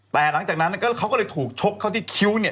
แต่หลังจากนั้นเขาก็เลยถูกชกเข้าที่คิ้วเนี่ย